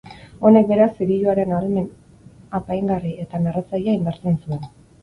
Honek, beraz, zigiluaren ahalmen apaingarri eta narratzailea indartzen zuen.